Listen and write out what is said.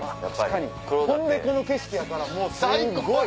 ほんでこの景色やからすごい。